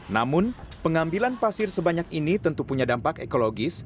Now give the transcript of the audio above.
namun pengambilan pasir sebanyak ini tentu punya dampak ekologis